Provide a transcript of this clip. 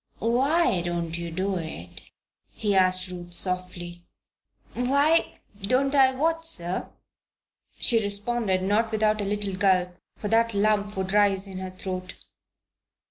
"Why don't you do it?" he asked Ruth, softly. "Why don't I do what, sir?" she responded, not without a little gulp, for that lump would rise in her throat.